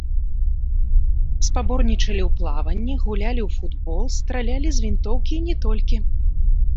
Спаборнічалі ў плаванні, гулялі ў футбол, стралялі з вінтоўкі і не толькі.